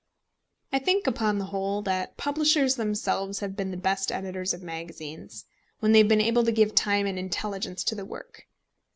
I think, upon the whole, that publishers themselves have been the best editors of magazines, when they have been able to give time and intelligence to the work.